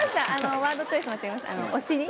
ワードチョイス間違えました。